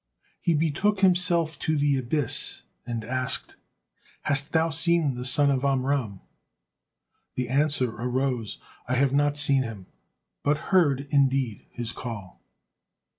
He betook himself to the Abyss and asked, "Hast thou seen the son of Amram?" The answer arose, "I have not seen him, but heard indeed his call."